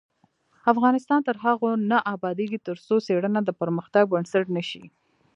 افغانستان تر هغو نه ابادیږي، ترڅو څیړنه د پرمختګ بنسټ نشي.